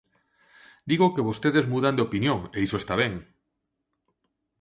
Digo que vostedes mudan de opinión, e iso está ben.